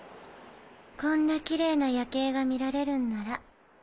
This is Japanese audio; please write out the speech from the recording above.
こんなキレイな夜景が見られるんなら。